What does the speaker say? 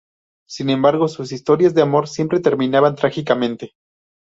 Sin embargo, sus historias de amor siempre terminaban trágicamente.